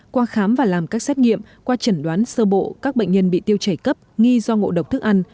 qua khám và làm các xét nghiệm qua chẩn đoán sơ bộ các bệnh nhân bị tiêu chảy cấp nghi do ngộ độc thức ăn